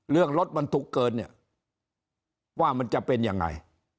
เรื่องรถบรรทุกเกินเนี่ยว่ามันจะเป็นยังไง